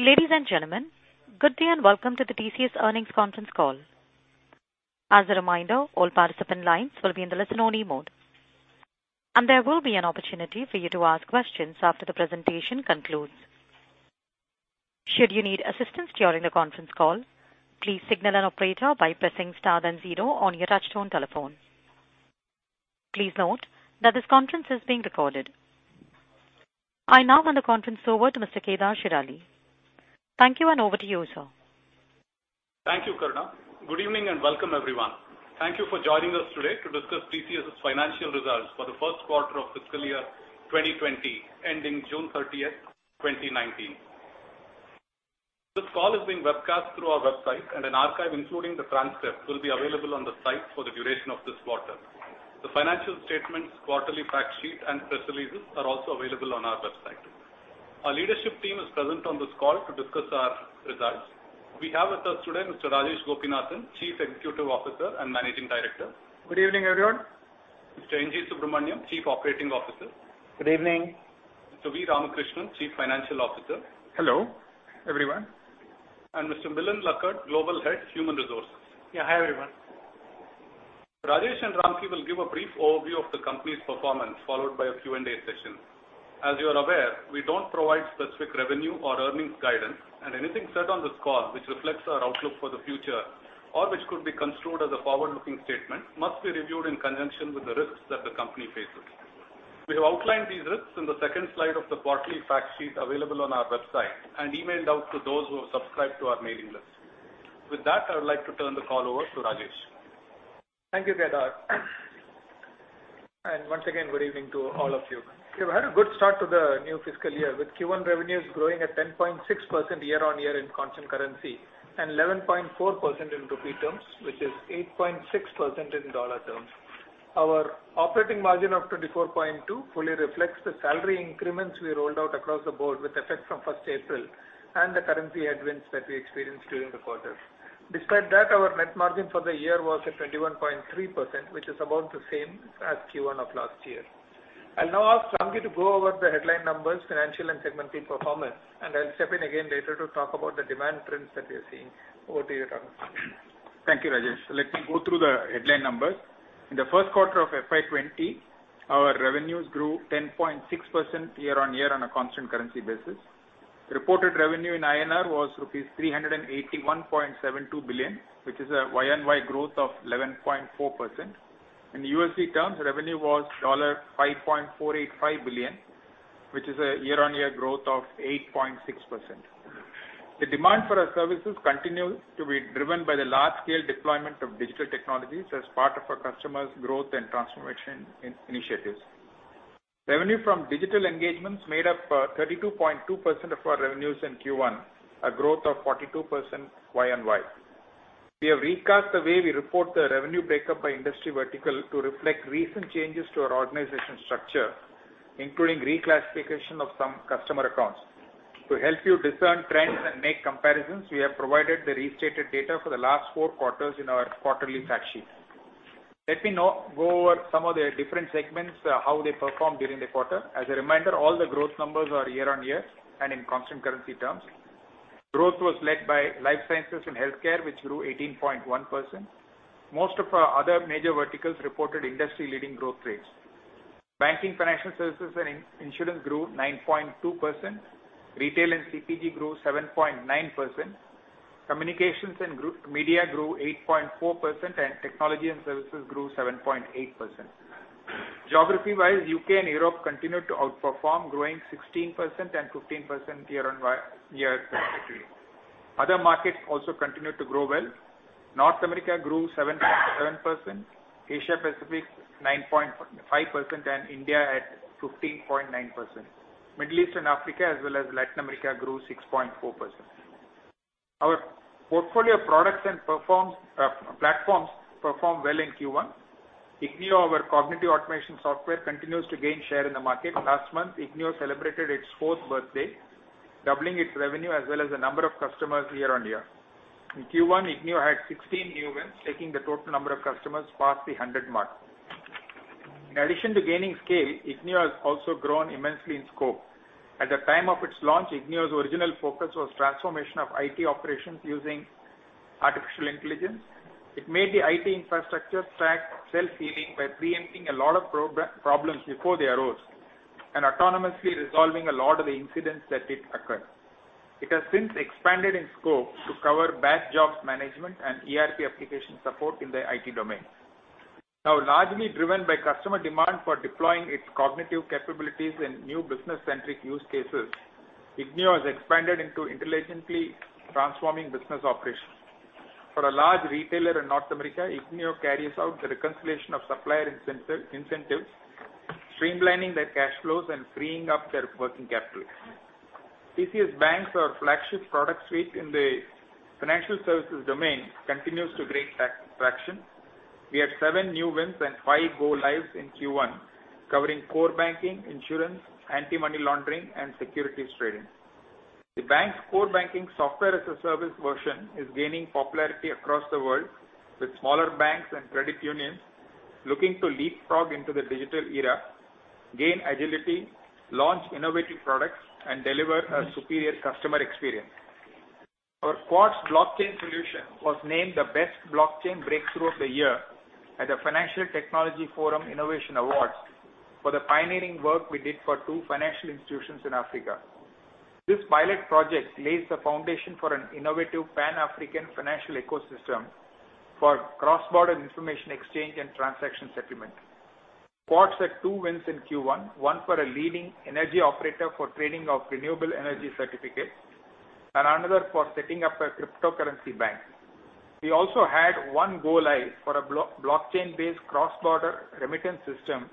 Ladies and gentlemen, good day and welcome to the TCS earnings conference call. As a reminder, all participant lines will be in the listen-only mode, there will be an opportunity for you to ask questions after the presentation concludes. Should you need assistance during the conference call, please signal an operator by pressing star then zero on your touchtone telephone. Please note that this conference is being recorded. I now hand the conference over to Mr. Kedar Shirali. Thank you, over to you, sir. Thank you, Karuna. Good evening, welcome everyone. Thank you for joining us today to discuss TCS' financial results for the first quarter of fiscal year 2020, ending June 30th, 2019. This call is being webcast through our website. An archive, including the transcript, will be available on the site for the duration of this quarter. The financial statements, quarterly fact sheet, and press releases are also available on our website. Our leadership team is present on this call to discuss our results. We have with us today Mr. Rajesh Gopinathan, Chief Executive Officer and Managing Director. Good evening, everyone. Mr. NG Subramaniam, Chief Operating Officer. Good evening. Mr. V. Ramakrishnan, Chief Financial Officer. Hello, everyone. Mr. Milind Lakkad, Global Head Human Resources. Yeah. Hi, everyone. Rajesh and Ramki will give a brief overview of the company's performance, followed by a Q&A session. As you are aware, we don't provide specific revenue or earnings guidance, anything said on this call which reflects our outlook for the future, or which could be construed as a forward-looking statement, must be reviewed in conjunction with the risks that the company faces. We have outlined these risks in the second slide of the quarterly fact sheet available on our website, and emailed out to those who have subscribed to our mailing list. With that, I would like to turn the call over to Rajesh. Thank you, Kedar. Once again, good evening to all of you. We've had a good start to the new fiscal year, with Q1 revenues growing at 10.6% year-on-year in constant currency, 11.4% in rupee terms, which is 8.6% in dollar terms. Our operating margin of 24.2% fully reflects the salary increments we rolled out across the board with effect from 1st April, and the currency headwinds that we experienced during the quarter. Despite that, our net margin for the year was at 21.3%, which is about the same as Q1 of last year. I'll now ask Ramki to go over the headline numbers, financial and segment fee performance, and I'll step in again later to talk about the demand trends that we're seeing. Over to you, Ramki. Thank you, Rajesh. Let me go through the headline numbers. In the first quarter of FY 2020, our revenues grew 10.6% year-on-year on a constant currency basis. Reported revenue in INR was rupees 381.72 billion, which is a Y-on-Y growth of 11.4%. In USD terms, revenue was $5.485 billion, which is a year-on-year growth of 8.6%. The demand for our services continues to be driven by the large-scale deployment of digital technologies as part of our customers' growth and transformation initiatives. Revenue from digital engagements made up 32.2% of our revenues in Q1, a growth of 42% Y-on-Y. We have recast the way we report the revenue breakup by industry vertical to reflect recent changes to our organization structure, including reclassification of some customer accounts. To help you discern trends and make comparisons, we have provided the restated data for the last four quarters in our quarterly fact sheet. Let me now go over some of the different segments, how they performed during the quarter. As a reminder, all the growth numbers are year-on-year and in constant currency terms. Growth was led by Life Sciences and Healthcare, which grew 18.1%. Most of our other major verticals reported industry-leading growth rates. Banking, Financial Services, and Insurance grew 9.2%. Retail and CPG grew 7.9%. Communications and Media grew 8.4%, Technology and Services grew 7.8%. Geography-wise, U.K. and Europe continued to outperform, growing 16% and 15% year-on-year, respectively. Other markets also continued to grow well. North America grew 7%, Asia Pacific 9.5%, and India at 15.9%. Middle East and Africa, as well as Latin America, grew 6.4%. Our portfolio of products and platforms performed well in Q1. Ignio, our cognitive automation software, continues to gain share in the market. Last month, Ignio celebrated its fourth birthday, doubling its revenue as well as the number of customers year-on-year. In Q1, Ignio had 16 new wins, taking the total number of customers past the 100 mark. In addition to gaining scale, Ignio has also grown immensely in scope. At the time of its launch, Ignio's original focus was transformation of IT operations using artificial intelligence. It made the IT infrastructure track self-healing by preempting a lot of problems before they arose and autonomously resolving a lot of the incidents that did occur. It has since expanded in scope to cover batch jobs management and ERP application support in the IT domain. Largely driven by customer demand for deploying its cognitive capabilities in new business-centric use cases, Ignio has expanded into intelligently transforming business operations. For a large retailer in North America, Ignio carries out the reconciliation of supplier incentives, streamlining their cash flows and freeing up their working capital. TCS BaNCS, our flagship product suite in the financial services domain, continues to gain traction. We had seven new wins and five go lives in Q1, covering core banking, insurance, anti-money laundering, and securities trading. The BaNCS core banking software-as-a-service version is gaining popularity across the world, with smaller banks and credit unions looking to leapfrog into the digital era, gain agility, launch innovative products, and deliver a superior customer experience. Our Quartz blockchain solution was named the best blockchain breakthrough of the year at the Financial Technology Forum Innovation Awards for the pioneering work we did for two financial institutions in Africa. This pilot project lays the foundation for an innovative Pan-African financial ecosystem for cross-border information exchange and transaction settlement. Quartz had two wins in Q1, one for a leading energy operator for trading of renewable energy certificates, another for setting up a cryptocurrency bank. We also had one go-live for a blockchain-based cross-border remittance system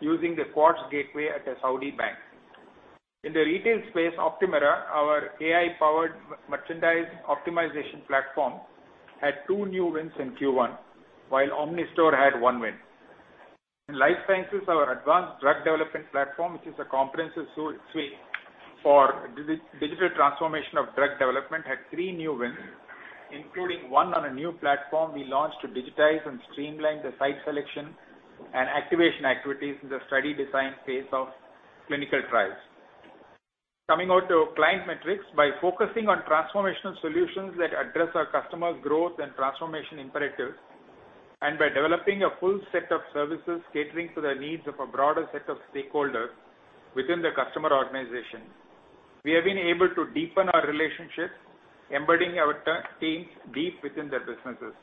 using the Quartz Gateway at a Saudi bank. In the retail space, TCS Optumera, our AI-powered merchandise optimization platform, had two new wins in Q1, while TCS OmniStore had one win. In LifeSciences, our Advanced Drug Development Platform, which is a comprehensive suite for digital transformation of drug development, had three new wins, including one on a new platform we launched to digitize and streamline the site selection and activation activities in the study design phase of clinical trials. Coming on to client metrics, by focusing on transformational solutions that address our customers' growth and transformation imperatives, and by developing a full set of services catering to the needs of a broader set of stakeholders within the customer organization, we have been able to deepen our relationships, embedding our teams deep within their businesses.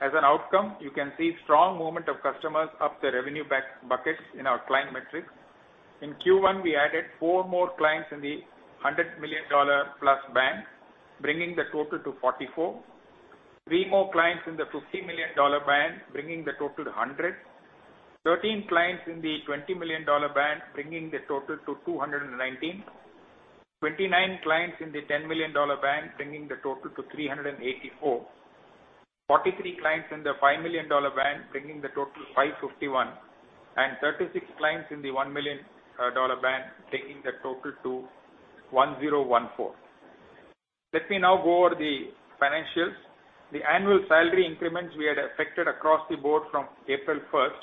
As an outcome, you can see strong movement of customers up the revenue buckets in our client metrics. In Q1, we added four more clients in the $100-million-plus band, bringing the total to 44. Three more clients in the $50-million band, bringing the total to 100. 13 clients in the $20-million band, bringing the total to 219. 29 clients in the $10-million band, bringing the total to 384. 43 clients in the $5-million band, bringing the total to 551, and 36 clients in the $1-million band, bringing the total to 1,014. Let me now go over the financials. The annual salary increments we had affected across the board from April 1st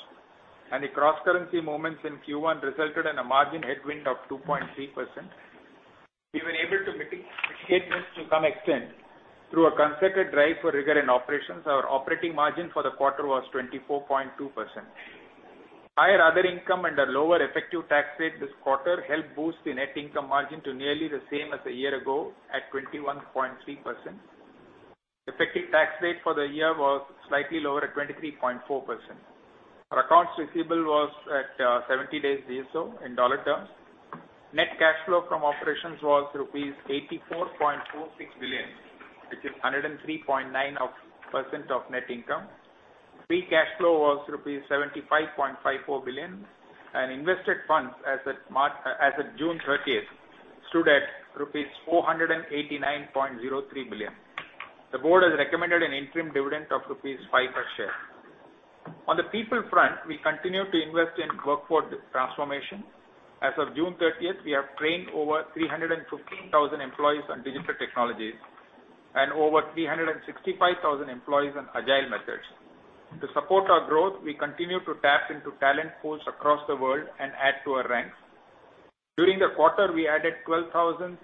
and the cross-currency movements in Q1 resulted in a margin headwind of 2.3%. We were able to mitigate this to some extent through a concerted drive for rigor in operations. Our operating margin for the quarter was 24.2%. Higher other income and a lower effective tax rate this quarter helped boost the net income margin to nearly the same as a year ago at 21.3%. Effective tax rate for the year was slightly lower at 23.4%. Our accounts receivable was at 70 days DSO in dollar terms. Net cash flow from operations was rupees 84.46 billion, which is 103.9% of net income. Free cash flow was rupees 75.54 billion, and invested funds as of June 30th stood at rupees 489.03 billion. The board has recommended an interim dividend of INR five per share. On the people front, we continue to invest in workforce transformation. As of June 30th, we have trained over 315,000 employees on digital technologies and over 365,000 employees on agile methods. To support our growth, we continue to tap into talent pools across the world and add to our ranks. During the quarter, we added 12,356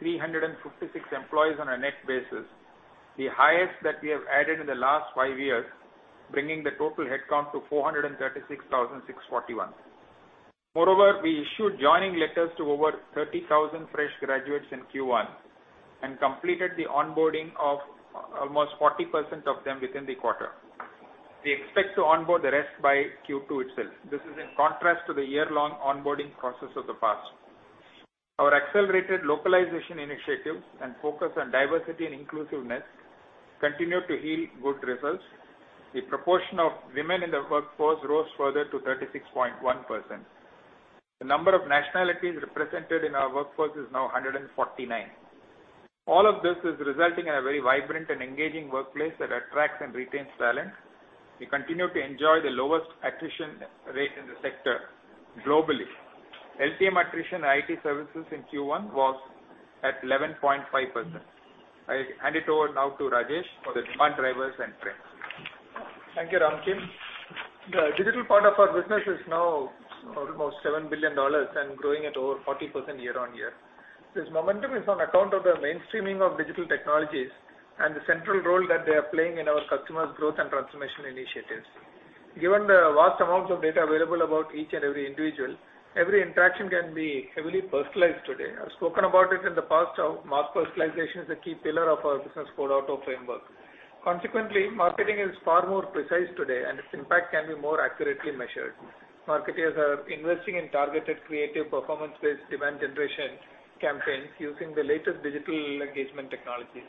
employees on a net basis, the highest that we have added in the last five years, bringing the total headcount to 436,641. Moreover, we issued joining letters to over 30,000 fresh graduates in Q1 and completed the onboarding of almost 40% of them within the quarter. We expect to onboard the rest by Q2 itself. This is in contrast to the year-long onboarding process of the past. Our accelerated localization initiatives and focus on diversity and inclusiveness continue to yield good results. The proportion of women in the workforce rose further to 36.1%. The number of nationalities represented in our workforce is now 149. All of this is resulting in a very vibrant and engaging workplace that attracts and retains talent. We continue to enjoy the lowest attrition rate in the sector globally. LTM attrition in IT services in Q1 was at 11.5%. I hand it over now to Rajesh for the demand drivers and trends. Thank you, Ramki. The digital part of our business is now almost INR 7 billion and growing at over 40% year-on-year. This momentum is on account of the mainstreaming of digital technologies and the central role that they are playing in our customers' growth and transformation initiatives. Given the vast amounts of data available about each and every individual, every interaction can be heavily personalized today. I've spoken about it in the past how mass personalization is a key pillar of our Business 4.0 framework. Consequently, marketing is far more precise today, and its impact can be more accurately measured. Marketers are investing in targeted creative performance-based demand generation campaigns using the latest digital engagement technologies.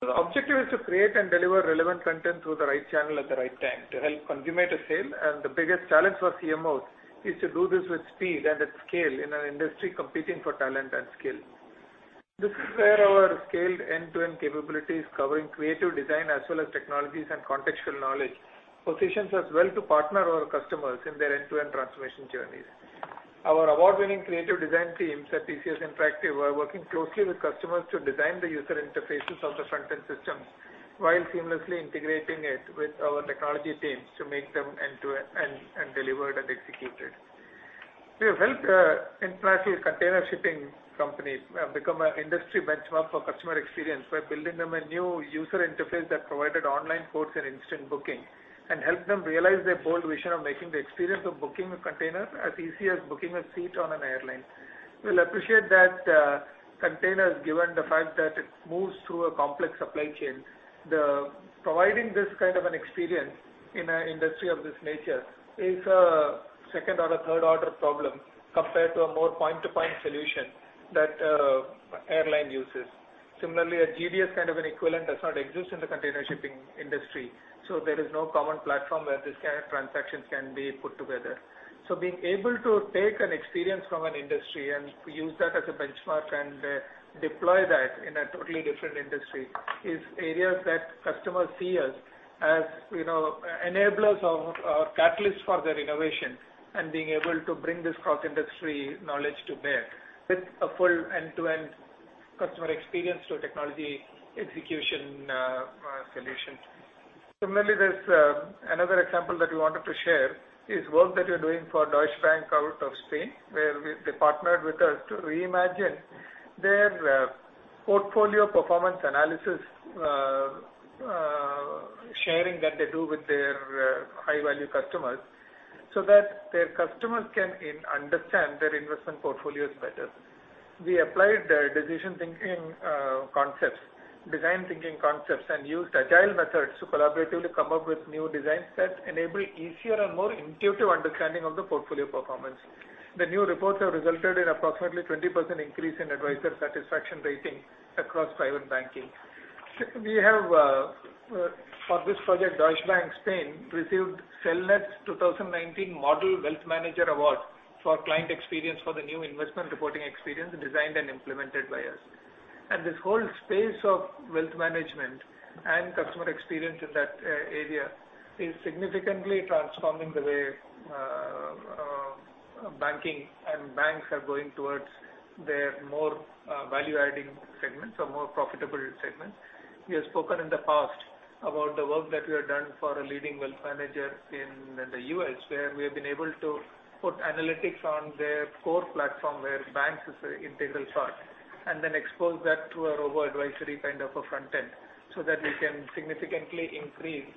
The objective is to create and deliver relevant content through the right channel at the right time to help consummate a sale, and the biggest challenge for CMOs is to do this with speed and at scale in an industry competing for talent and skill. This is where our scaled end-to-end capabilities covering creative design as well as technologies and contextual knowledge positions us well to partner our customers in their end-to-end transformation journeys. Our award-winning creative design teams at TCS Interactive are working closely with customers to design the user interfaces of the front-end systems while seamlessly integrating it with our technology teams to make them end-to-end and delivered and executed. We have helped international container shipping companies become an industry benchmark for customer experience by building them a new user interface that provided online quotes and instant booking, and helped them realize their bold vision of making the experience of booking a container as easy as booking a seat on an airline. You will appreciate that containers, given the fact that it moves through a complex supply chain, providing this kind of an experience in an industry of this nature is a second- or a third-order problem compared to a more point-to-point solution that airline uses. There is no common platform where these kind of transactions can be put together. Being able to take an experience from an industry and use that as a benchmark and deploy that in a totally different industry is areas that customers see us as enablers or catalysts for their innovation, and being able to bring this cross-industry knowledge to bear with a full end-to-end customer experience to technology execution solution. Similarly, there's another example that we wanted to share, is work that we're doing for Deutsche Bank out of Spain, where they partnered with us to reimagine their portfolio performance analysis sharing that they do with their high-value customers so that their customers can understand their investment portfolios better. We applied their decision thinking concepts, design thinking concepts, and used agile methods to collaboratively come up with new designs that enable easier and more intuitive understanding of the portfolio performance. The new reports have resulted in approximately 20% increase in advisor satisfaction ratings across private banking. For this project, Deutsche Bank Spain received Celent's 2019 Model Wealth Manager Award for client experience for the new investment reporting experience designed and implemented by us. This whole space of wealth management and customer experience in that area is significantly transforming the way banking and banks are going towards their more value-adding segments or more profitable segments. We have spoken in the past about the work that we have done for a leading wealth manager in the U.S., where we have been able to put analytics on their core platform where TCS BaNCS is an integral part, and then expose that to a robo-advisory kind of a front-end, so that we can significantly increase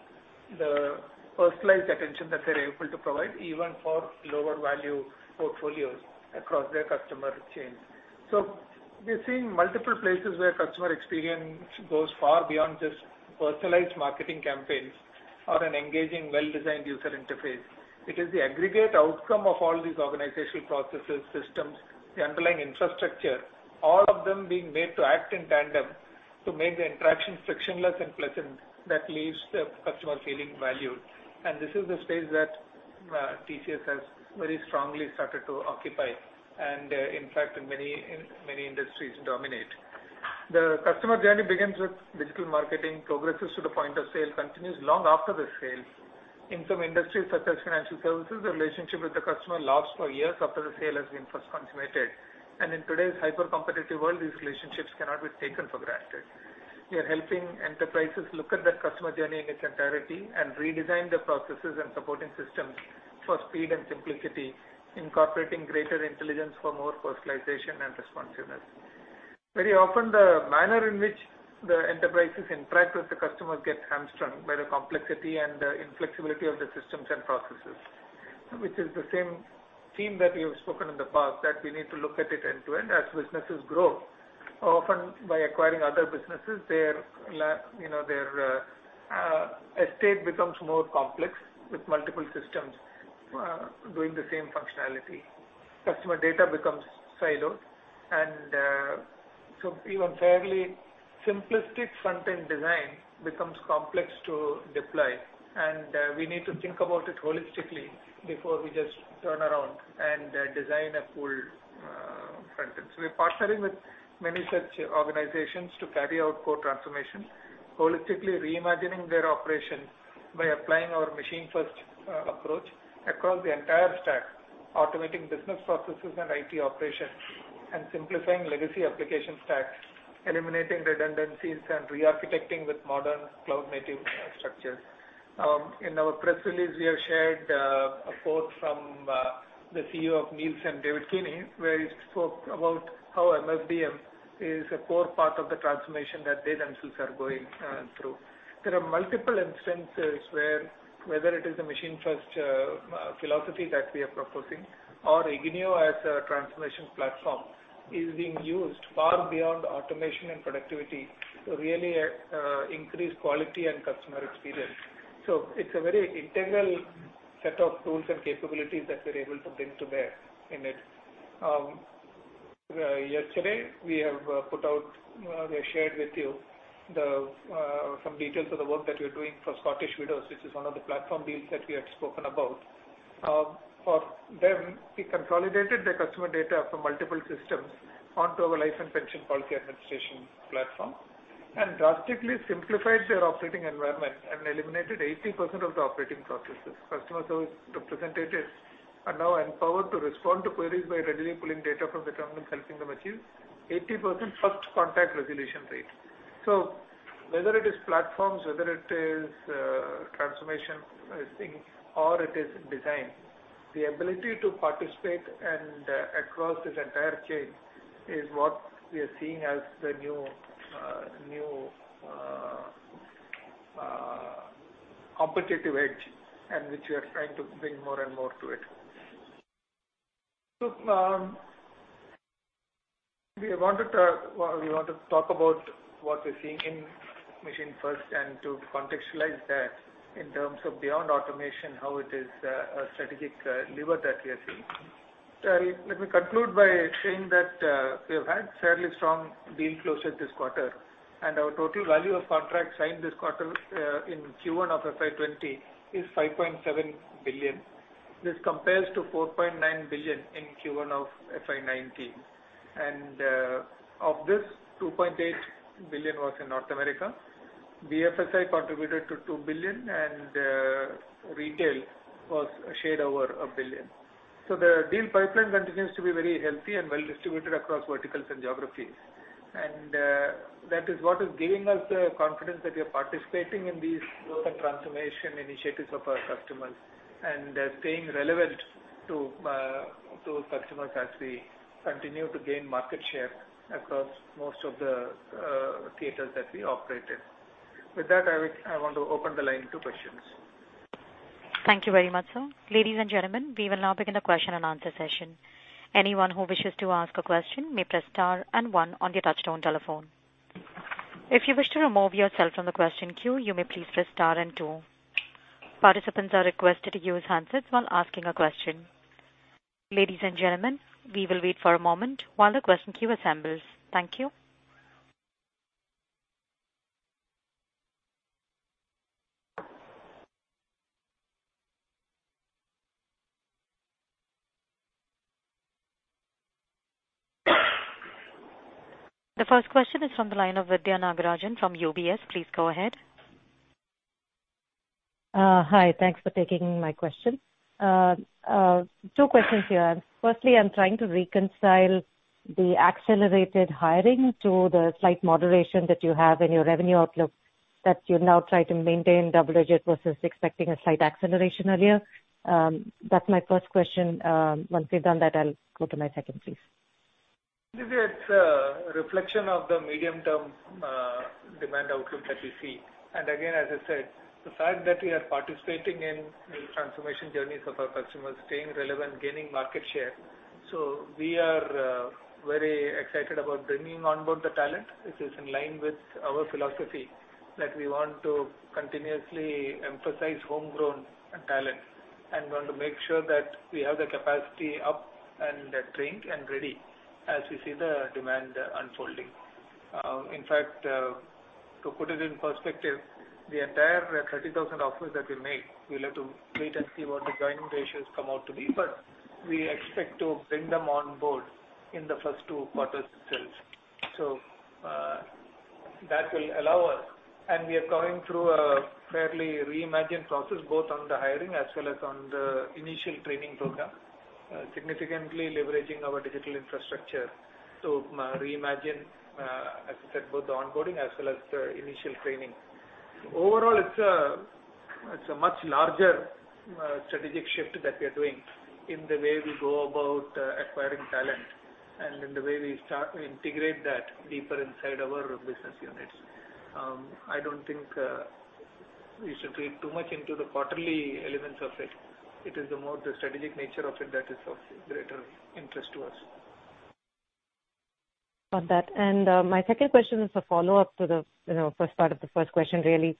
the personalized attention that they're able to provide, even for lower-value portfolios across their customer chains. We've seen multiple places where customer experience goes far beyond just personalized marketing campaigns or an engaging, well-designed user interface. It is the aggregate outcome of all these organizational processes, systems, the underlying infrastructure, all of them being made to act in tandem to make the interaction frictionless and pleasant that leaves the customer feeling valued. This is the space that TCS has very strongly started to occupy, and in fact, in many industries, dominate. The customer journey begins with digital marketing, progresses to the point of sale, continues long after the sale. In some industries, such as financial services, the relationship with the customer lasts for years after the sale has been first consummated. In today's hyper-competitive world, these relationships cannot be taken for granted. We are helping enterprises look at that customer journey in its entirety and redesign the processes and supporting systems for speed and simplicity, incorporating greater intelligence for more personalization and responsiveness. Very often, the manner in which the enterprises interact with the customers get hamstrung by the complexity and inflexibility of the systems and processes, which is the same theme that we have spoken in the past, that we need to look at it end-to-end as businesses grow. Often, by acquiring other businesses, their estate becomes more complex with multiple systems doing the same functionality. Customer data becomes siloed, so even fairly simplistic front-end design becomes complex to deploy. We need to think about it holistically before we just turn around and design a full front-end. We're partnering with many such organizations to carry out core transformations, holistically reimagining their operations by applying our machine-first approach across the entire stack, automating business processes and IT operations, simplifying legacy application stacks, eliminating redundancies, and re-architecting with modern cloud-native structures. In our press release, we have shared a quote from the CEO of Nielsen, David Calhoun, where he spoke about how MFDM is a core part of the transformation that they themselves are going through. There are multiple instances where, whether it is the machine-first philosophy that we are proposing or Ignio as a transformation platform, is being used far beyond automation and productivity to really increase quality and customer experience. It's a very integral set of tools and capabilities that we're able to bring to bear in it. Yesterday, we have shared with you some details of the work that we're doing for Scottish Widows, which is one of the platform deals that we had spoken about. For them, we consolidated their customer data from multiple systems onto our life and pension policy administration platform. Drastically simplified their operating environment and eliminated 80% of the operating processes. Customer service representatives are now empowered to respond to queries by readily pulling data from the terminal, helping them achieve 80% first contact resolution rate. Whether it is platforms, whether it is transformation I think, or it is design, the ability to participate across this entire chain is what we are seeing as the new competitive edge and which we are trying to bring more and more to it. We want to talk about what we're seeing in machine-first and to contextualize that in terms of beyond automation, how it is a strategic lever that we are seeing. Let me conclude by saying that we have had fairly strong deal closure this quarter, and our total value of contracts signed this quarter in Q1 of FY 2020 is 5.7 billion. This compares to 4.9 billion in Q1 of FY 2019. Of this, 2.8 billion was in North America. BFSI contributed to 2 billion and retail was a shade over 1 billion. The deal pipeline continues to be very healthy and well distributed across verticals and geographies. That is what is giving us the confidence that we are participating in these growth and transformation initiatives of our customers and staying relevant to those customers as we continue to gain market share across most of the theaters that we operate in. With that, I want to open the line to questions. Thank you very much, sir. Ladies and gentlemen, we will now begin the question and answer session. Anyone who wishes to ask a question may press star and one on your touchtone telephone. If you wish to remove yourself from the question queue, you may please press star and two. Participants are requested to use handsets while asking a question. Ladies and gentlemen, we will wait for a moment while the question queue assembles. Thank you. The first question is from the line of Diviya Nagarajan from UBS. Please go ahead. Hi, thanks for taking my question. Two questions here. Firstly, I'm trying to reconcile the accelerated hiring to the slight moderation that you have in your revenue outlook that you're now trying to maintain double-digit versus expecting a slight acceleration earlier. That's my first question. Once we've done that, I'll go to my second, please. Diviya, it's a reflection of the medium-term demand outlook that we see. Again, as I said, the fact that we are participating in the transformation journeys of our customers, staying relevant, gaining market share. We are very excited about bringing on board the talent, which is in line with our philosophy that we want to continuously emphasize homegrown talent and want to make sure that we have the capacity up and trained and ready as we see the demand unfolding. In fact, to put it in perspective, the entire 30,000 offers that we made, we'll have to wait and see what the joining ratios come out to be. We expect to bring them on board in the first two quarters itself. That will allow us, and we are going through a fairly reimagined process both on the hiring as well as on the initial training program, significantly leveraging our digital infrastructure to reimagine as I said, both the onboarding as well as the initial training. Overall, it's a much larger strategic shift that we are doing in the way we go about acquiring talent and in the way we start to integrate that deeper inside our business units. I don't think we should read too much into the quarterly elements of it. It is more the strategic nature of it that is of greater interest to us. Got that. My second question is a follow-up to the first part of the first question really.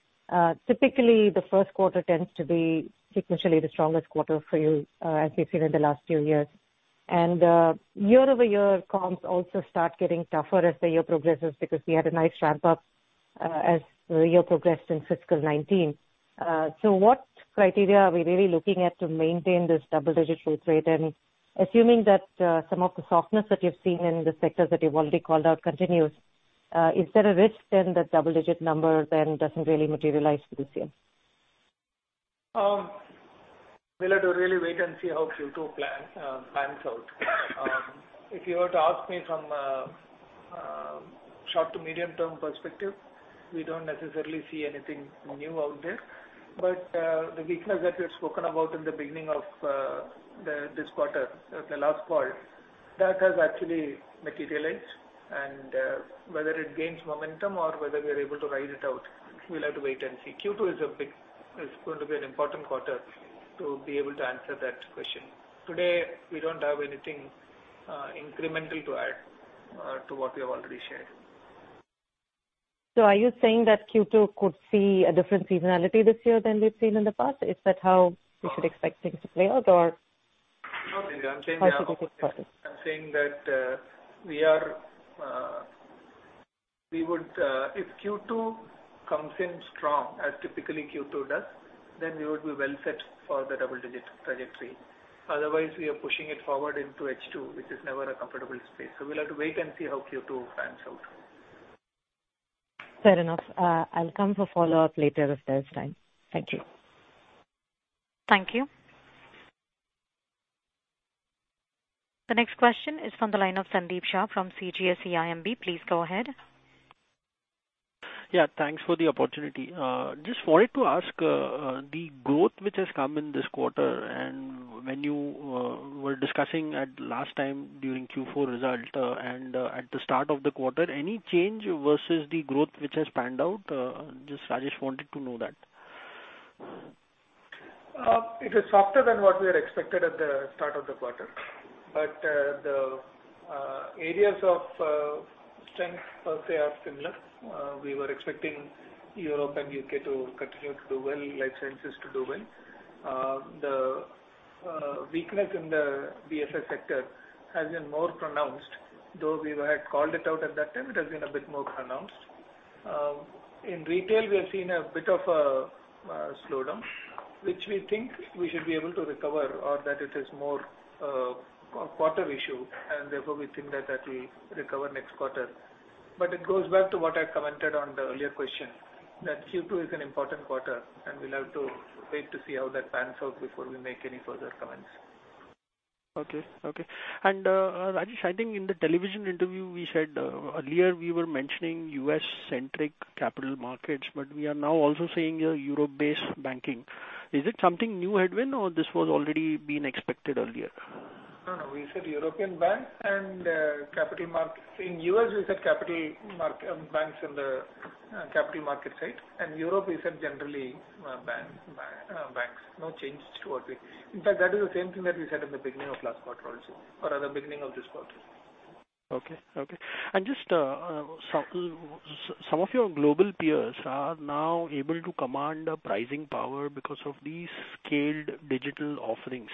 Typically, the first quarter tends to be sequentially the strongest quarter for you as we've seen in the last few years. Year-over-year comps also start getting tougher as the year progresses because we had a nice ramp up as the year progressed in FY 2019. What criteria are we really looking at to maintain this double-digit growth rate? Assuming that some of the softness that you've seen in the sectors that you've already called out continues, is there a risk then that double-digit number then doesn't really materialize this year? We'll have to really wait and see how Q2 plans out. If you were to ask me from a short to medium-term perspective, we don't necessarily see anything new out there. The weakness that we had spoken about in the beginning of this quarter at the last call, that has actually materialized, and whether it gains momentum or whether we are able to ride it out, we'll have to wait and see. Q2 is going to be an important quarter to be able to answer that question. Today, we don't have anything incremental to add to what we have already shared. Are you saying that Q2 could see a different seasonality this year than we've seen in the past? Is that how we should expect things to play out or- No, Diviya. I'm saying that- Should we push past it? I'm saying that if Q2 comes in strong as typically Q2 does, then we would be well set for the double-digit trajectory. Otherwise, we are pushing it forward into H2, which is never a comfortable space. We'll have to wait and see how Q2 pans out. Fair enough. I'll come for follow-up later if there's time. Thank you. Thank you. The next question is from the line of Sandeep Shah from CGS-CIMB. Please go ahead. Thanks for the opportunity. Just wanted to ask the growth which has come in this quarter, and when you were discussing at last time during Q4 result and at the start of the quarter, any change versus the growth which has panned out? Just, Rajesh, wanted to know that. It is softer than what we had expected at the start of the quarter. The areas of strength per se are similar. We were expecting Europe and U.K. to continue to do well, life sciences to do well. The weakness in the BFSI sector has been more pronounced, though we had called it out at that time, it has been a bit more pronounced. In retail, we have seen a bit of a slowdown, which we think we should be able to recover or that it is more a quarter issue and therefore we think that will recover next quarter. It goes back to what I commented on the earlier question, that Q2 is an important quarter and we'll have to wait to see how that pans out before we make any further comments. Okay. Rajesh, I think in the television interview, we said earlier we were mentioning U.S.-centric capital markets, we are now also saying Europe-based banking. Is it something new headwind or this was already been expected earlier? We said European banks and capital markets. In U.S., we said capital banks in the capital market side and Europe we said generally banks. No change to what we. In fact, that is the same thing that we said in the beginning of last quarter also or at the beginning of this quarter. Okay. Just some of your global peers are now able to command a pricing power because of these scaled digital offerings.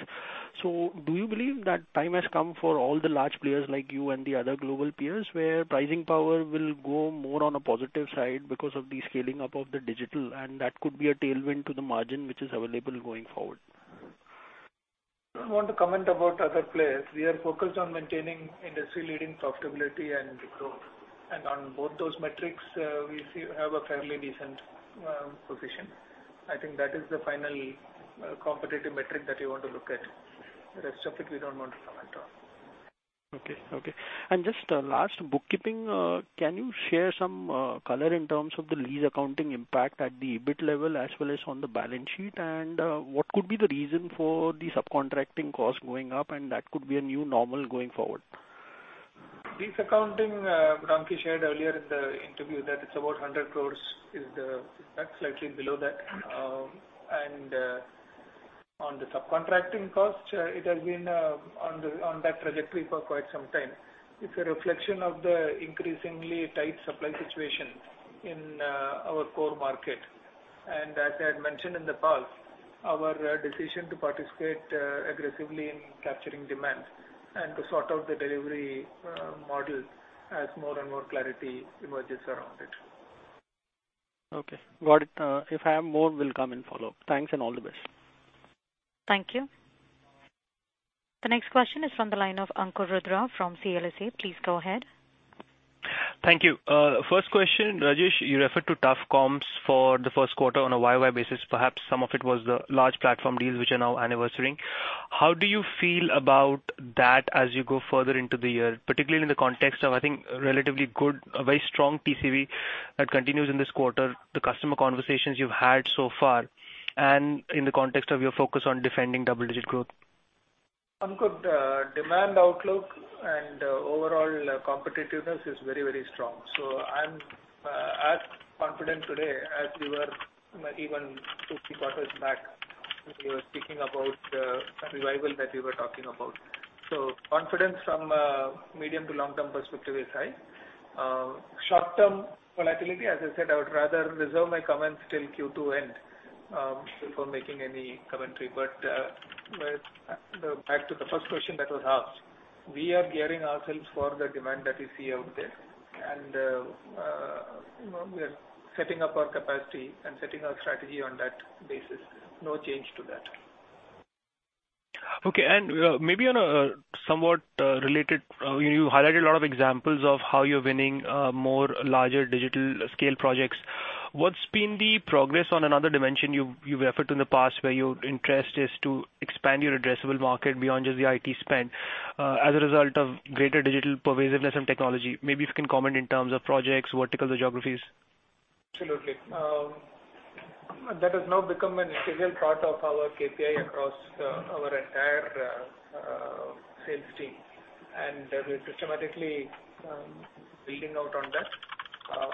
Do you believe that time has come for all the large players like you and the other global peers, where pricing power will go more on a positive side because of the scaling up of the digital, and that could be a tailwind to the margin which is available going forward? I don't want to comment about other players. We are focused on maintaining industry-leading profitability and growth. On both those metrics, we have a fairly decent position. I think that is the final competitive metric that you want to look at. The rest of it, we don't want to comment on. Okay. Just last, bookkeeping. Can you share some color in terms of the lease accounting impact at the EBIT level as well as on the balance sheet? What could be the reason for the subcontracting cost going up and that could be a new normal going forward? Lease accounting, Ramki shared earlier in the interview that it is about 100 crores. In fact, slightly below that. On the subcontracting cost, it has been on that trajectory for quite some time. It is a reflection of the increasingly tight supply situation in our core market. As I had mentioned in the past, our decision to participate aggressively in capturing demand and to sort out the delivery model as more and more clarity emerges around it. Okay, got it. If I have more, we will come in follow-up. Thanks, and all the best. Thank you. The next question is from the line of Ankur Rudra from CLSA. Please go ahead. Thank you. First question, Rajesh, you referred to tough comps for the first quarter on a YY basis. Perhaps some of it was the large platform deals which are now anniversarying. How do you feel about that as you go further into the year, particularly in the context of, I think, relatively good, a very strong TCV that continues in this quarter, the customer conversations you've had so far and in the context of your focus on defending double-digit growth? Ankur, demand outlook and overall competitiveness is very strong. I'm as confident today as we were even two, three quarters back when we were speaking about the revival that we were talking about. Confidence from a medium to long-term perspective is high. Short-term volatility, as I said, I would rather reserve my comments till Q2 end before making any commentary. Back to the first question that was asked, we are gearing ourselves for the demand that we see out there. We are setting up our capacity and setting our strategy on that basis. No change to that. Okay. Maybe on a somewhat related, you highlighted a lot of examples of how you're winning more larger digital scale projects. What's been the progress on another dimension you've referred to in the past where your interest is to expand your addressable market beyond just the IT spend as a result of greater digital pervasiveness and technology? Maybe if you can comment in terms of projects, verticals, or geographies. Absolutely. That has now become an integral part of our KPI across our entire sales team. We're systematically building out on that.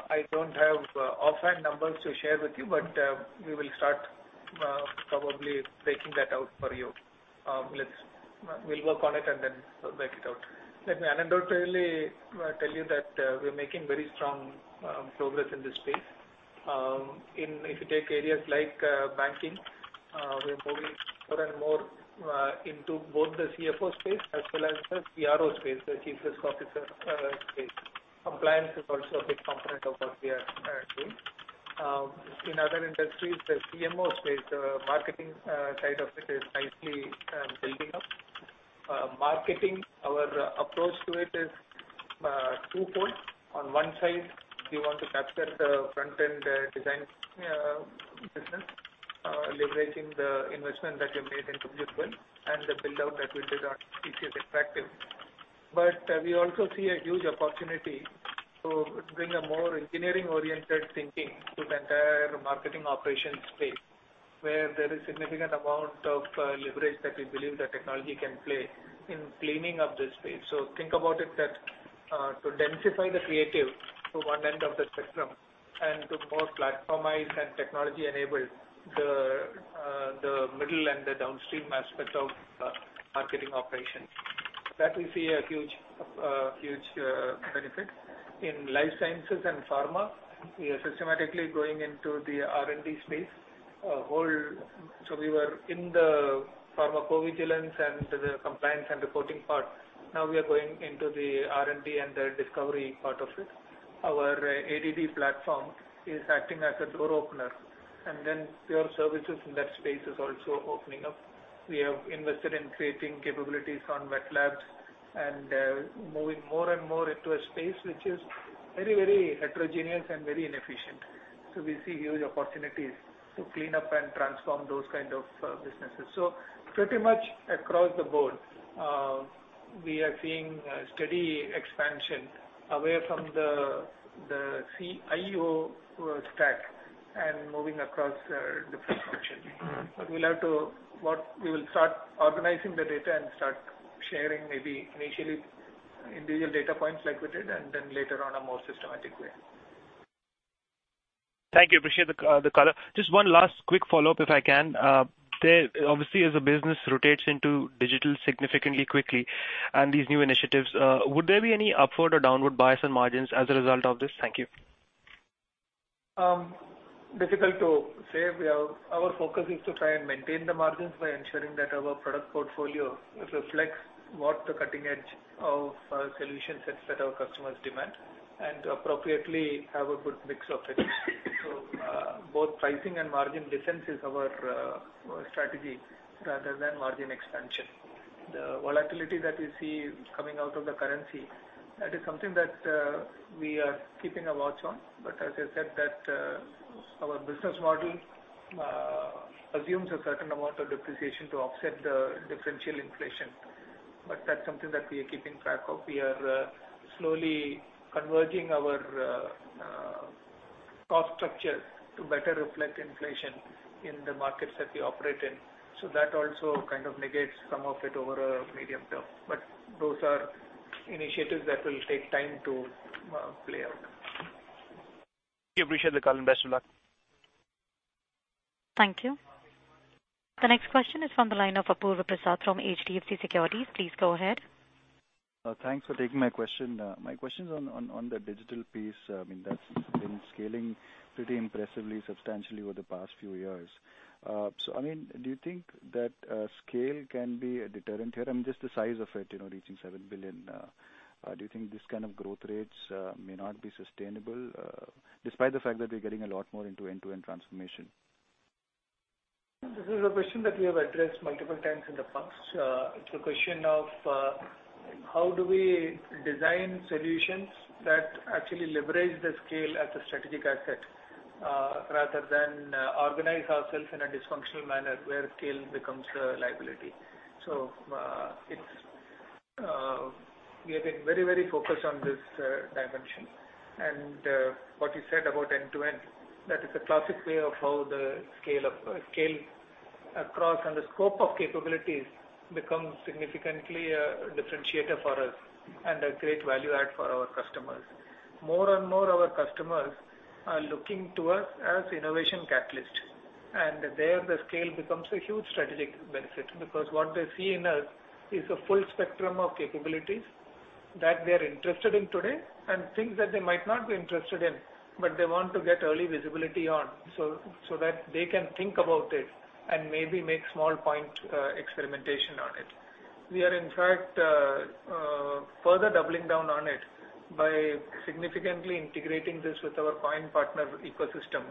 I don't have offhand numbers to share with you, but we will start probably breaking that out for you. We'll work on it and then break it out. Let me anecdotally tell you that we're making very strong progress in this space. If you take areas like banking. We're moving more and more into both the CFO space as well as the CRO space, the Chief Risk Officer space. Compliance is also a big component of what we are doing. In other industries, the CMO space, the marketing side of it is nicely building up. Marketing, our approach to it is twofold. On one side, we want to capture the front-end design business, leveraging the investment that we made in W12 and the build-out that we did on TCS Interactive. We also see a huge opportunity to bring a more engineering-oriented thinking to the entire marketing operations space, where there is significant amount of leverage that we believe the technology can play in cleaning up this space. Think about it that to densify the creative to one end of the spectrum and to more platformize and technology-enable the middle and the downstream aspects of marketing operations. That we see a huge benefit. In life sciences and pharma, we are systematically going into the R&D space. We were in the pharmacovigilance and the compliance and reporting part. Now we are going into the R&D and the discovery part of it. Our ADD platform is acting as a door opener, pure services in that space is also opening up. We have invested in creating capabilities on wet labs and moving more and more into a space which is very heterogeneous and very inefficient. We see huge opportunities to clean up and transform those kind of businesses. Pretty much across the board, we are seeing a steady expansion away from the CIO stack and moving across different functions. We will start organizing the data and start sharing, maybe initially individual data points like we did, and then later on a more systematic way. Thank you. Appreciate the color. Just one last quick follow-up, if I can. Obviously, as the business rotates into digital significantly quickly and these new initiatives, would there be any upward or downward bias on margins as a result of this? Thank you. Difficult to say. Our focus is to try and maintain the margins by ensuring that our product portfolio reflects what the cutting edge of solution sets that our customers demand, and appropriately have a good mix of it. Both pricing and margin defense is our strategy rather than margin expansion. The volatility that we see coming out of the currency, that is something that we are keeping a watch on. As I said that our business model assumes a certain amount of depreciation to offset the differential inflation. That's something that we are keeping track of. We are slowly converging our cost structure to better reflect inflation in the markets that we operate in. That also kind of negates some of it over a medium term. Those are initiatives that will take time to play out. Appreciate the call, best of luck. Thank you. The next question is from the line of Apurva Prasad from HDFC Securities. Please go ahead. Thanks for taking my question. My question is on the digital piece. That's been scaling pretty impressively, substantially over the past few years. Do you think that scale can be a deterrent here? Just the size of it, reaching $7 billion. Do you think these kind of growth rates may not be sustainable, despite the fact that we're getting a lot more into end-to-end transformation? This is a question that we have addressed multiple times in the past. It's a question of how do we design solutions that actually leverage the scale as a strategic asset, rather than organize ourselves in a dysfunctional manner where scale becomes a liability. We have been very focused on this dimension. What you said about end-to-end, that is a classic way of how the scale across and the scope of capabilities becomes significantly a differentiator for us and a great value add for our customers. More and more our customers are looking to us as innovation catalysts, there the scale becomes a huge strategic benefit because what they see in us is a full spectrum of capabilities that they are interested in today and things that they might not be interested in, but they want to get early visibility on, so that they can think about it and maybe make small point experimentation on it. We are in fact further doubling down on it by significantly integrating this with our co-innovation partner ecosystem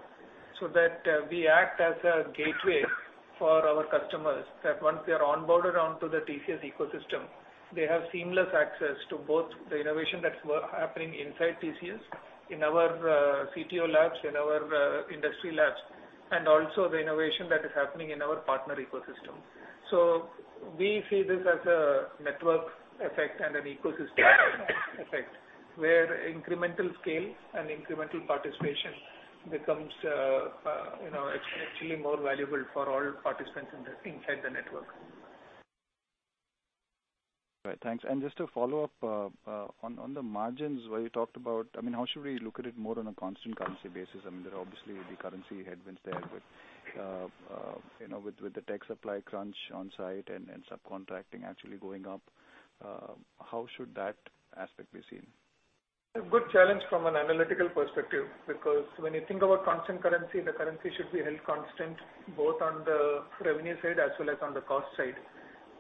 so that we act as a gateway for our customers, that once they're onboarded onto the TCS ecosystem, they have seamless access to both the innovation that's happening inside TCS in our CTO labs, in our industry labs, and also the innovation that is happening in our partner ecosystem. We see this as a network effect and an ecosystem effect where incremental scale and incremental participation becomes exponentially more valuable for all participants inside the network. Right. Thanks. Just to follow up on the margins where you talked about, how should we look at it more on a constant currency basis? There obviously will be currency headwinds there with the tech supply crunch on-site and subcontracting actually going up. How should that aspect be seen? A good challenge from an analytical perspective, because when you think about constant currency, the currency should be held constant both on the revenue side as well as on the cost side.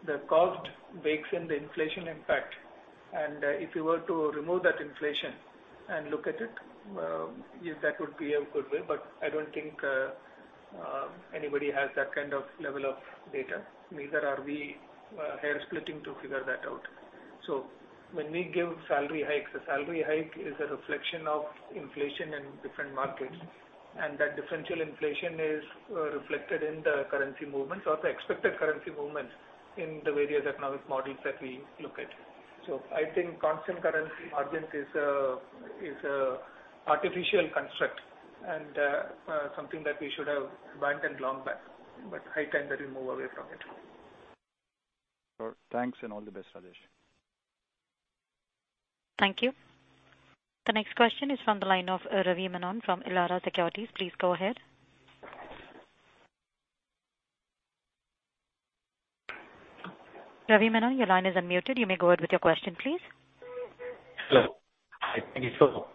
The cost bakes in the inflation impact, and if you were to remove that inflation and look at it, yes, that would be a good way, but I don't think anybody has that kind of level of data, neither are we hairsplitting to figure that out. When we give salary hikes, a salary hike is a reflection of inflation in different markets, and that differential inflation is reflected in the currency movements or the expected currency movements in the various economic models that we look at. I think constant currency margins is a artificial construct and something that we should have abandoned long back, but high time that we move away from it. Sure. Thanks and all the best, Rajesh. Thank you. The next question is from the line of Ravi Menon from Elara Securities. Please go ahead. Ravi Menon, your line is unmuted. You may go ahead with your question, please. Hello. Hi. Thank you for.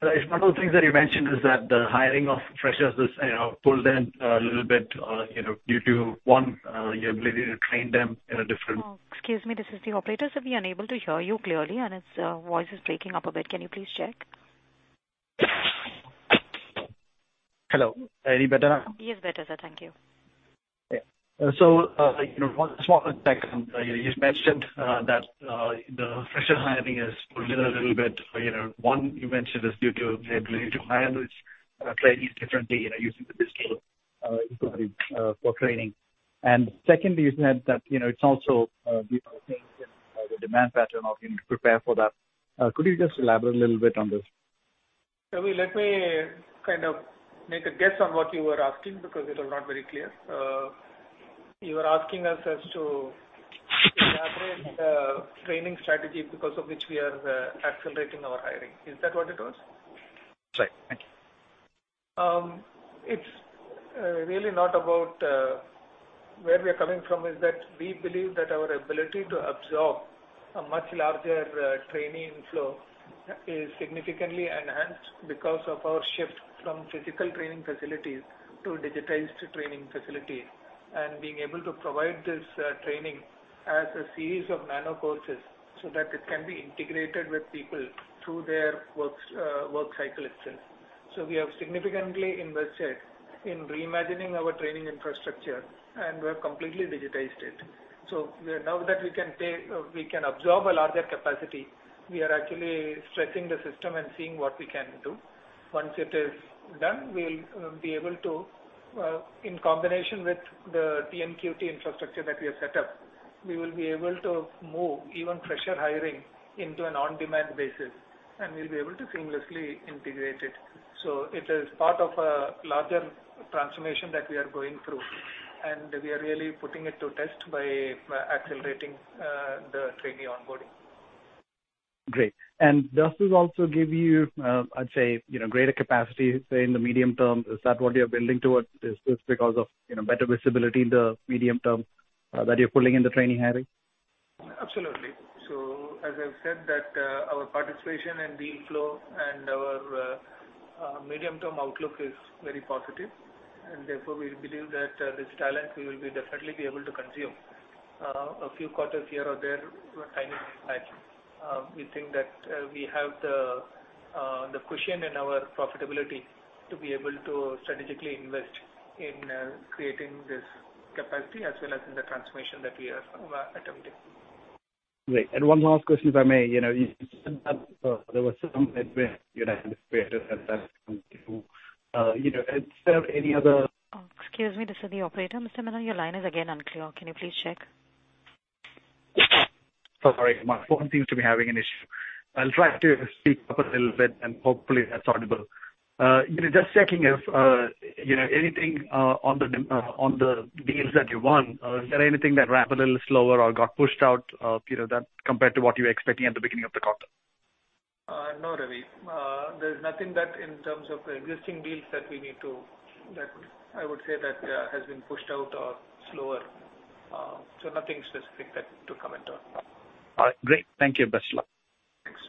One of the things that you mentioned is that the hiring of freshers has pulled in a little bit due to, one, your ability to train them in a different- Oh, excuse me. This is the operator. We unable to hear you clearly and its voice is breaking up a bit. Can you please check? Hello. Any better? Yes, better, sir. Thank you. Yeah. One small thing. You mentioned that the fresher hiring has pulled in a little bit. One, you mentioned is due to the ability to hire these trainees differently using the digital inquiry for training. Second, you said that it's also due to change in the demand pattern or being prepared for that. Could you just elaborate a little bit on this? Ravi, let me make a guess on what you were asking, because it was not very clear. You were asking us as to elaborate the training strategy because of which we are accelerating our hiring. Is that what it was? That's right. Thank you. It's really not about where we're coming from, is that we believe that our ability to absorb a much larger trainee inflow is significantly enhanced because of our shift from physical training facilities to digitized training facilities, and being able to provide this training as a series of nano courses so that it can be integrated with people through their work cycle itself. We have significantly invested in reimagining our training infrastructure, and we've completely digitized it. Now that we can absorb a larger capacity, we are actually stressing the system and seeing what we can do. Once it is done, in combination with the TMQT infrastructure that we have set up, we will be able to move even fresher hiring into an on-demand basis, and we'll be able to seamlessly integrate it. It is part of a larger transformation that we are going through, and we are really putting it to test by accelerating the trainee onboarding. Great. Does this also give you, I'd say, greater capacity, say, in the medium term? Is that what you're building towards? Is this because of better visibility in the medium term that you're pulling in the training hiring? Absolutely. As I've said that our participation and deal flow and our medium-term outlook is very positive, and therefore, we believe that this talent we will definitely be able to consume. A few quarters here or there were timing impact. We think that we have the cushion in our profitability to be able to strategically invest in creating this capacity as well as in the transformation that we are attempting. Great. One last question, if I may. You said that there was some headway Is there any other- Excuse me. This is the operator. Mr. Menon, your line is again unclear. Can you please check? Sorry. My phone seems to be having an issue. I'll try to speak up a little bit and hopefully that's audible. Just checking if anything on the deals that you won. Is there anything that ran a little slower or got pushed out compared to what you were expecting at the beginning of the quarter? No, Ravi. There's nothing that in terms of existing deals that I would say that has been pushed out or slower. Nothing specific to comment on. All right. Great. Thank you. Best luck. Thanks.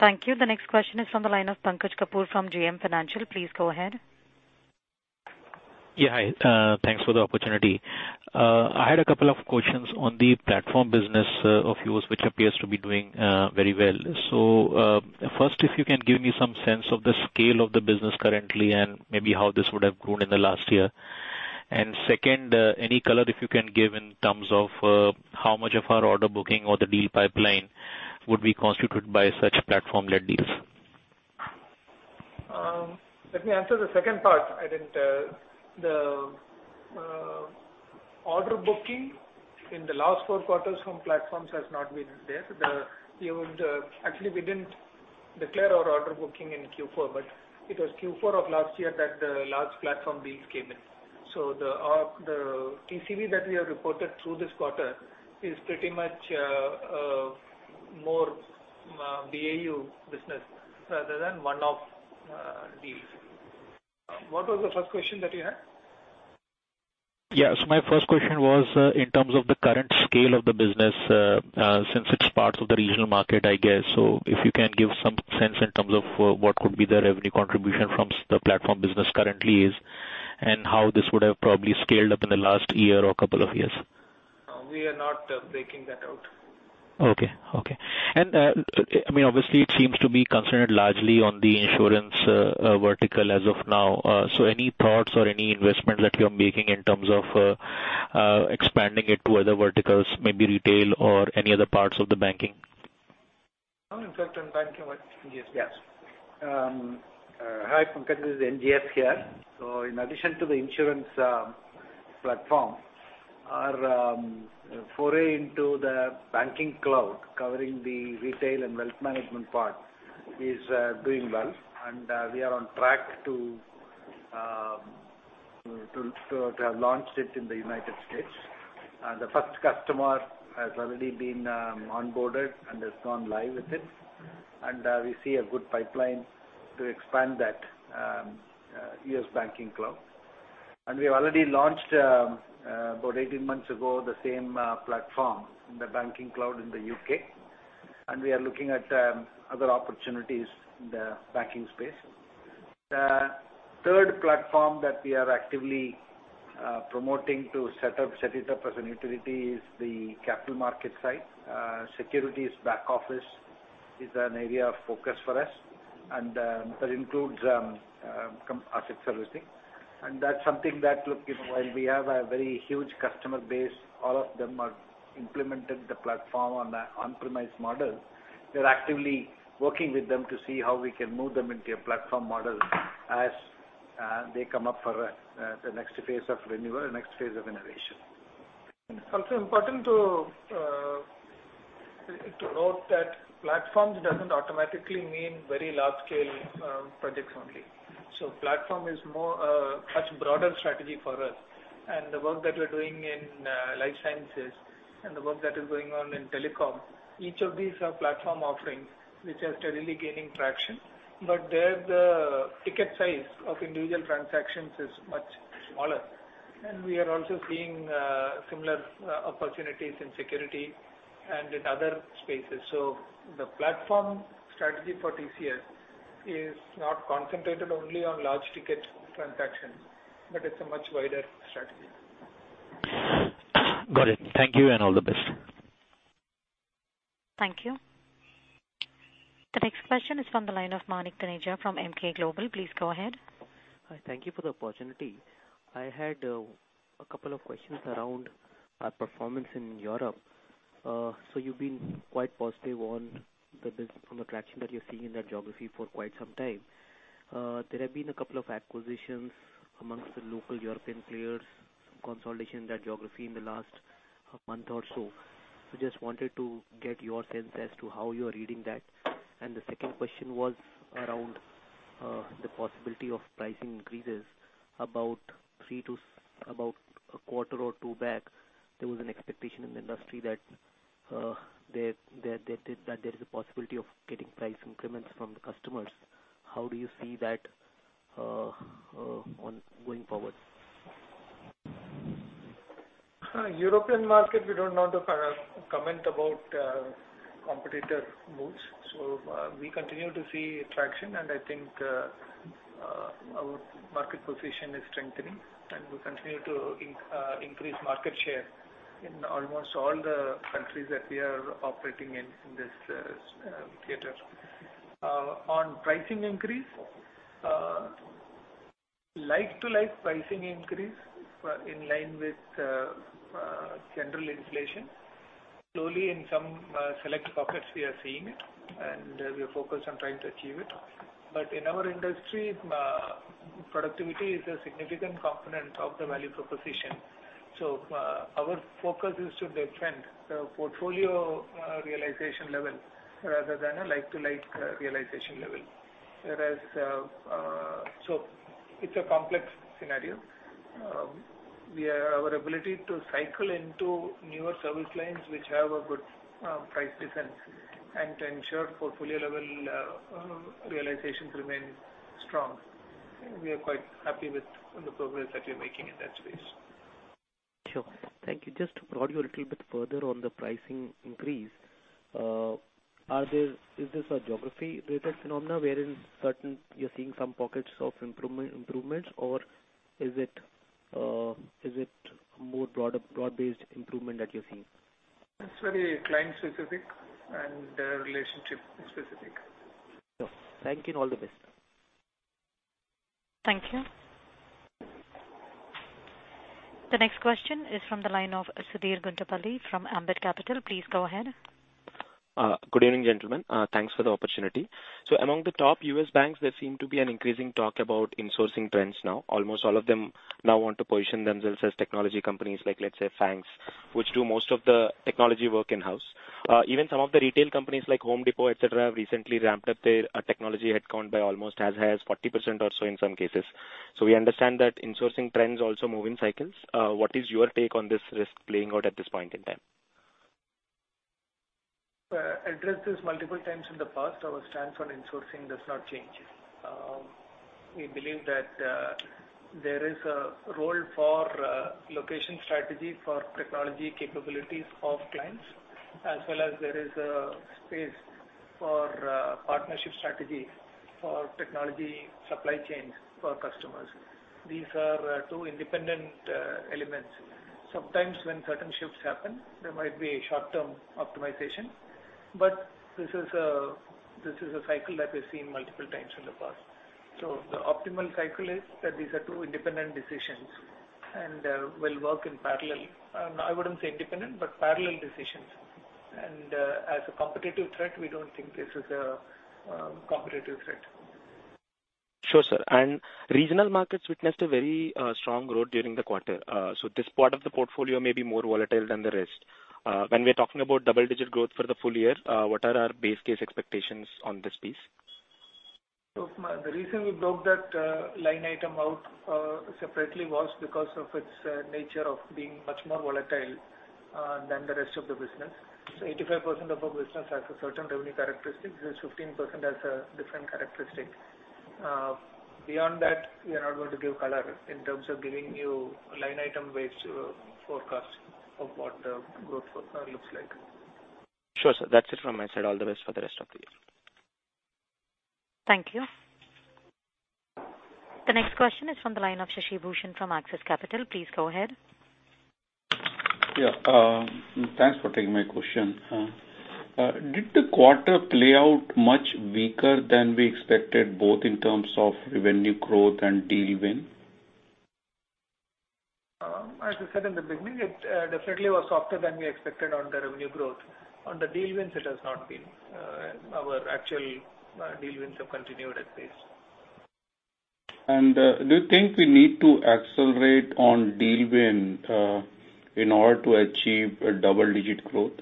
Thank you. The next question is from the line of Pankaj Kapoor from JM Financial. Please go ahead. Yeah. Hi. Thanks for the opportunity. I had a couple of questions on the platform business of yours, which appears to be doing very well. First, if you can give me some sense of the scale of the business currently and maybe how this would have grown in the last year. Second, any color if you can give in terms of how much of our order booking or the deal pipeline would be constituted by such platform-led deals? Let me answer the second part. The order booking in the last four quarters from platforms has not been there. Actually, we didn't declare our order booking in Q4, but it was Q4 of last year that the large platform deals came in. The TCV that we have reported through this quarter is pretty much more BAU business rather than one-off deals. What was the first question that you had? Yes. My first question was in terms of the current scale of the business, since it's part of the regional market, I guess. If you can give some sense in terms of what could be the revenue contribution from the platform business currently is, and how this would have probably scaled up in the last year or couple of years. We are not breaking that out. Okay. Obviously, it seems to be concentrated largely on the insurance vertical as of now. Any thoughts or any investment that you are making in terms of expanding it to other verticals, maybe retail or any other parts of the banking? No, in fact, in banking. Yes. Hi, Pankaj. This is NGS here. In addition to the insurance platform, our foray into the banking cloud, covering the retail and wealth management part is doing well, and we are on track to have launched it in the U.S. The first customer has already been onboarded and has gone live with it, and we see a good pipeline to expand that U.S. banking cloud. We've already launched, about 18 months ago, the same platform in the banking cloud in the U.K. We are looking at other opportunities in the banking space. The third platform that we are actively promoting to set it up as an utility is the capital market side. Securities back office is an area of focus for us, and that includes asset servicing. That's something that, look, while we have a very huge customer base, all of them have implemented the platform on the on-premise model. We are actively working with them to see how we can move them into a platform model as they come up for the next phase of renewal, next phase of innovation. It's also important to note that platforms doesn't automatically mean very large-scale projects only. Platform is a much broader strategy for us and the work that we're doing in life sciences and the work that is going on in telecom, each of these are platform offerings which are steadily gaining traction. There, the ticket size of individual transactions is much smaller. We are also seeing similar opportunities in security and in other spaces. The platform strategy for TCS is not concentrated only on large-ticket transactions, but it's a much wider strategy. Got it. Thank you and all the best. Thank you. The next question is from the line of Manik Taneja from Emkay Global. Please go ahead. Hi. Thank you for the opportunity. I had a couple of questions around our performance in Europe. You've been quite positive on the business from the traction that you're seeing in that geography for quite some time. There have been a couple of acquisitions amongst the local European players, some consolidation in that geography in the last month or so. Just wanted to get your sense as to how you're reading that. The second question was around the possibility of pricing increases. About a quarter or two back, there was an expectation in the industry that there is a possibility of getting price increments from the customers. How do you see that going forward? European market, we don't want to comment about competitor moves. We continue to see traction, and I think our market position is strengthening, and we continue to increase market share in almost all the countries that we are operating in in this theater. On pricing increase, like-to-like pricing increase in line with general inflation. Slowly in some select pockets we are seeing it, and we are focused on trying to achieve it. In our industry, productivity is a significant component of the value proposition. Our focus is to defend the portfolio realization level rather than a like-to-like realization level. It's a complex scenario. Our ability to cycle into newer service lines, which have a good price defense and to ensure portfolio-level realizations remain strong. We are quite happy with the progress that we're making in that space. Sure. Thank you. Just to prod you a little bit further on the pricing increase. Is this a geography-related phenomena wherein certain you're seeing some pockets of improvements, or is it more broad-based improvement that you're seeing? It's very client-specific and relationship-specific. Sure. Thank you and all the best. Thank you. The next question is from the line of Sudheer Guntupalli from Ambit Capital. Please go ahead. Good evening, gentlemen. Thanks for the opportunity. Among the top U.S. banks, there seem to be an increasing talk about insourcing trends now. Almost all of them now want to position themselves as technology companies like, let's say, banks, which do most of the technology work in-house. Even some of the retail companies like The Home Depot, et cetera, have recently ramped up their technology headcount by almost as high as 40% or so in some cases. We understand that insourcing trends also move in cycles. What is your take on this risk playing out at this point in time? We addressed this multiple times in the past. Our stance on insourcing does not change. We believe that there is a role for location strategy for technology capabilities of clients, as well as there is a space for partnership strategy for technology supply chains for customers. These are two independent elements. Sometimes when certain shifts happen, there might be a short-term optimization, but this is a cycle that we've seen multiple times in the past. The optimal cycle is that these are two independent decisions and will work in parallel. I wouldn't say independent, but parallel decisions. As a competitive threat, we don't think this is a competitive threat. Sure, sir. Regional markets witnessed a very strong growth during the quarter. This part of the portfolio may be more volatile than the rest. When we're talking about double-digit growth for the full year, what are our base case expectations on this piece? The reason we broke that line item out separately was because of its nature of being much more volatile than the rest of the business. 85% of our business has a certain revenue characteristic. This 15% has a different characteristic. Beyond that, we are not going to give color in terms of giving you a line item-based forecast of what the growth looks like. Sure, sir. That's it from my side. All the best for the rest of the year. Thank you. The next question is from the line of Shashi Bushan from Axis Capital. Please go ahead. Yeah. Thanks for taking my question. Did the quarter play out much weaker than we expected, both in terms of revenue growth and deal win? As I said in the beginning, it definitely was softer than we expected on the revenue growth. On the deal wins, it has not been. Our actual deal wins have continued at pace. Do you think we need to accelerate on deal win in order to achieve a double-digit growth?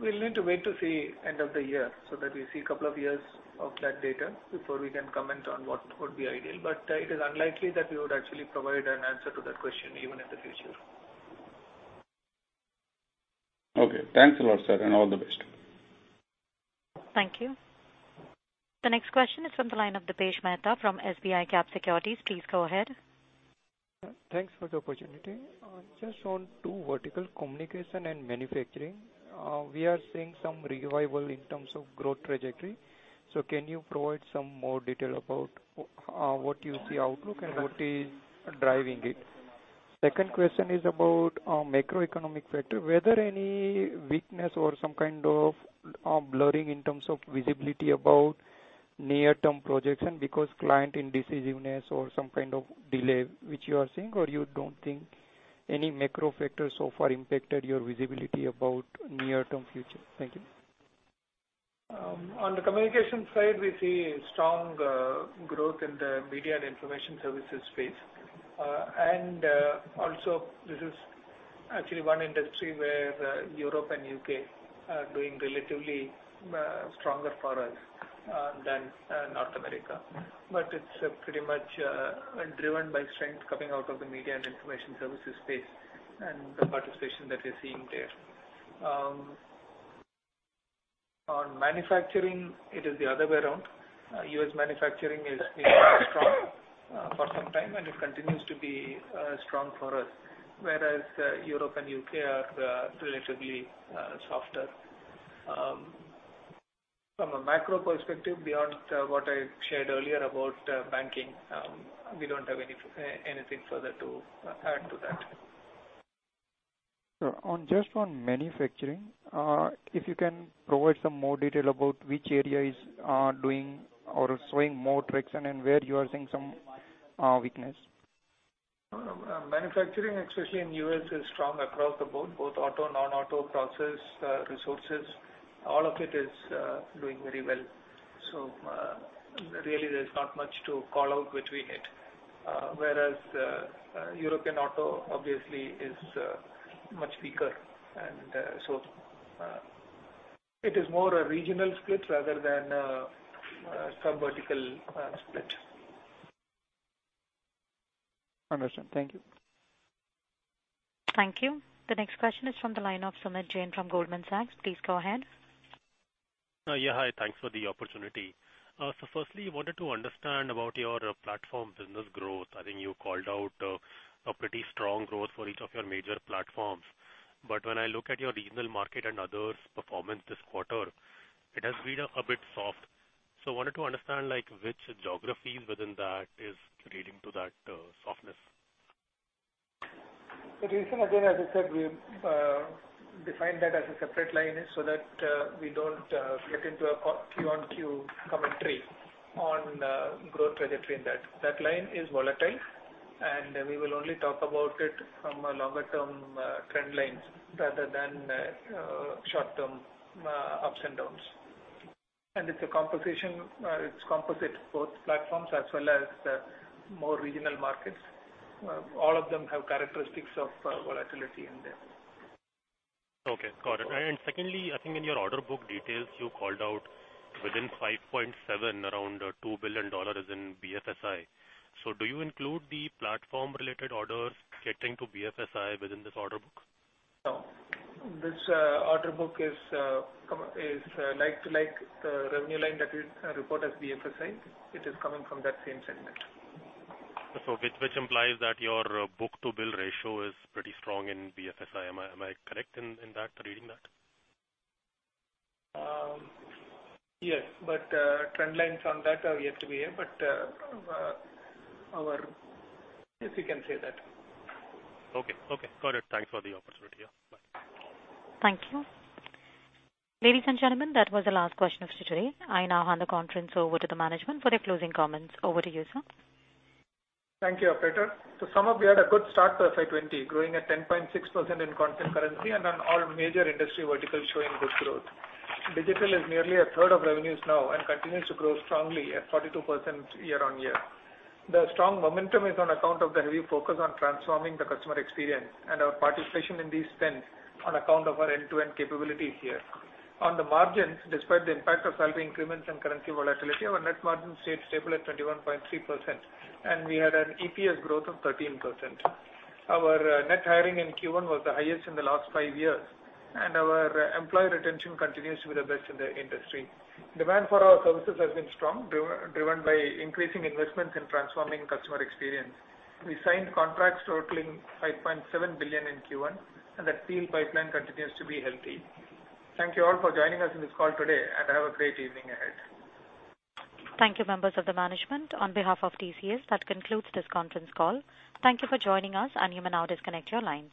We'll need to wait to see end of the year so that we see a couple of years of that data before we can comment on what would be ideal. It is unlikely that we would actually provide an answer to that question even in the future. Okay. Thanks a lot, sir, and all the best. Thank you. The next question is from the line of Dipesh Mehta from SBICAP Securities. Please go ahead. Thanks for the opportunity. Just on two vertical communication and manufacturing. We are seeing some revival in terms of growth trajectory. Can you provide some more detail about what you see outlook and what is driving it? Second question is about macroeconomic factor, whether any weakness or some kind of blurring in terms of visibility about near-term projection because client indecisiveness or some kind of delay, which you are seeing or you don't think any macro factors so far impacted your visibility about near-term future. Thank you. On the communication side, we see strong growth in the media and information services space. Also this is actually one industry where Europe and U.K. are doing relatively stronger for us than North America. It's pretty much driven by strength coming out of the media and information services space and the participation that we're seeing there. On manufacturing, it is the other way around. U.S. manufacturing has been strong for some time, and it continues to be strong for us. Whereas Europe and U.K. are relatively softer. From a macro perspective, beyond what I shared earlier about banking, we don't have anything further to add to that. Sir, just on manufacturing, if you can provide some more detail about which area is doing or showing more traction and where you are seeing some weakness. Manufacturing, especially in the U.S., is strong across the board, both auto, non-auto, process, resources, all of it is doing very well. Really there's not much to call out between it. Whereas European auto obviously is much weaker, it is more a regional split rather than some vertical split. Understood. Thank you. Thank you. The next question is from the line of Sumit Jain from Goldman Sachs. Please go ahead. Yeah, hi. Thanks for the opportunity. Firstly, wanted to understand about your platform business growth. I think you called out a pretty strong growth for each of your major platforms. When I look at your regional market and others' performance this quarter, it has been a bit soft. Wanted to understand which geographies within that is leading to that softness. The reason again, as I said, we define that as a separate line so that we don't get into a Q-on-Q commentary on growth trajectory in that. That line is volatile, and we will only talk about it from a longer-term trend lines rather than short-term ups and downs. It is composite both platforms as well as more regional markets. All of them have characteristics of volatility in there. Okay. Got it. Secondly, I think in your order book details you called out within 5.7 around $2 billion in BFSI. Do you include the platform-related orders getting to BFSI within this order book? No. This order book is like the revenue line that we report as BFSI. It is coming from that same segment. Which implies that your book-to-bill ratio is pretty strong in BFSI. Am I correct in reading that? Yes, but trend lines on that are yet to be in. Yes, we can say that. Okay. Got it. Thanks for the opportunity. Bye. Thank you. Ladies and gentlemen, that was the last question of today. I now hand the conference over to the management for their closing comments. Over to you, sir. Thank you, operator. To sum up, we had a good start to FY 2020, growing at 10.6% in constant currency and on all major industry verticals showing good growth. Digital is nearly a third of revenues now and continues to grow strongly at 42% year-on-year. The strong momentum is on account of the heavy focus on transforming the customer experience and our participation in these spends on account of our end-to-end capabilities here. On the margins, despite the impact of salary increments and currency volatility, our net margin stayed stable at 21.3% and we had an EPS growth of 13%. Our net hiring in Q1 was the highest in the last five years, and our employee retention continues to be the best in the industry. Demand for our services has been strong, driven by increasing investments in transforming customer experience. We signed contracts totaling 5.7 billion in Q1, and that deal pipeline continues to be healthy. Thank you all for joining us on this call today, and have a great evening ahead. Thank you, members of the management. On behalf of TCS, that concludes this conference call. Thank you for joining us and you may now disconnect your lines.